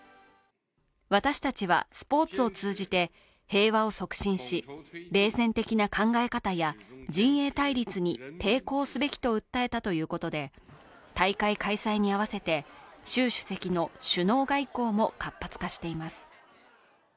私たちはスポーツを通じて、平和を促進し、冷戦的な考え方や陣営対立に抵抗すべきと訴えたということで、大会開催に合わせて習主席の首脳外交も活発化しています。